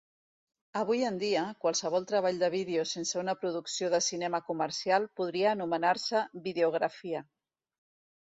Avui en dia, qualsevol treball de vídeo sense una producció de cinema comercial podria anomenar-se "videografia".